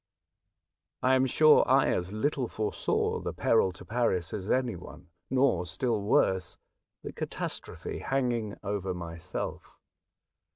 I am sure I as little foresaw the peril to Paris as any one, nor, still worse, the catastrophe hanging over myself.